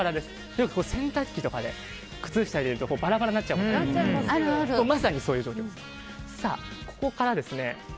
よく洗濯機とかで靴下を入れるとバラバラになっちゃうことありますがまさにそういう状況です。